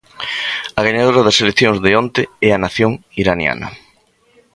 A gañadora das eleccións de onte é a nación iraniana.